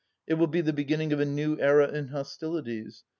It will be the beginning of a new era in hostilities.